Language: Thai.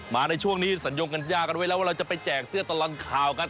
ในช่วงนี้สัญญงกัญญากันไว้แล้วว่าเราจะไปแจกเสื้อตลอดข่าวกัน